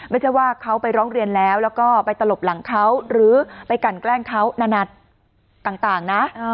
ไม่ใช่ว่าเขาไปร้องเรียนแล้วแล้วก็ไปตลบหลังเขาหรือไปกันแกล้งเขานัดต่างนะ